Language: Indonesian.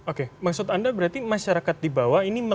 oke maksud anda berarti masyarakat di bawah ini